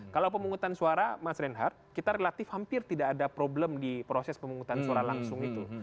kalau pemungutan suara mas reinhardt kita relatif hampir tidak ada problem di proses pemungutan suara langsung itu